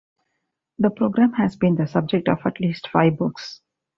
The program has been the subject of at least five books.